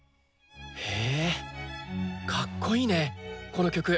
へえかっこいいねこの曲。